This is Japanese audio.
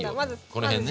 この辺ね。